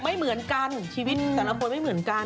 ไม่เหมือนกันชีวิตแต่ละคนไม่เหมือนกัน